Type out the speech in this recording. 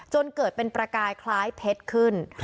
จนเกิดเป็นประกายคล้ายเพชรขึ้น